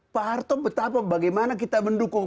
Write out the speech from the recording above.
pak harto betapa bagaimana kita mendukung